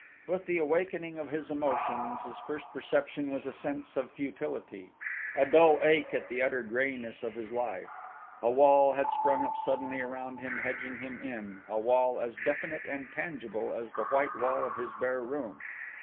With the awakening of his emotions, his first perception was a sense of futility, a dull ache at the utter grayness of his life. A wall had sprung up suddenly around him hedging him in, a wall as definite and tangible as the white wall of his bare room.